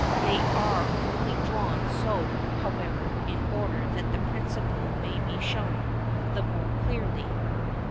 They are only drawn so, however, in order that the principle may be shown the more clearly.